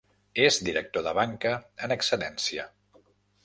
És director de banca en excedència.